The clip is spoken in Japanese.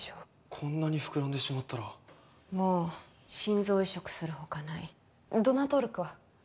こんなに膨らんでしまったらもう心臓移植するほかないドナー登録は？